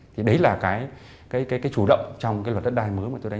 thì đấy là cái chủ động trong luật đất đai mới